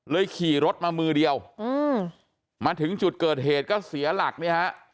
ขี่รถมามือเดียวอืมมาถึงจุดเกิดเหตุก็เสียหลักเนี่ยฮะ